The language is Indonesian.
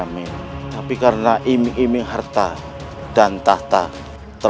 hidup raden kian santang